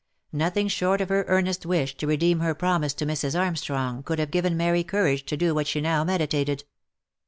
Nothing short of her earnest wish to redeem her promise to Mrs. Armstrong could have given Mary courage to do what she now meditated.